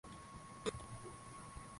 Mwanamwali yule.